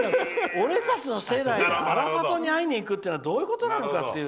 俺たちの世代だと、アラファトに会いに行くっていうのはどういうことなのかという。